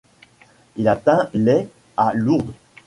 Il atteint les à Lourdes.